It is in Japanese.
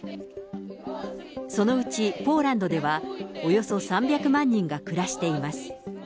そのうちポーランドではおよそ３００万人が暮らしています。